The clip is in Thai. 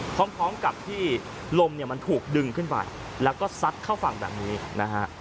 พร้อมกับที่ลมเนี่ยมันถูกดึงขึ้นไปแล้วก็ซัดเข้าฝั่งแบบนี้นะฮะ